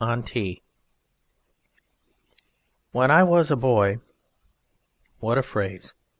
ON TEA When I was a boy What a phrase!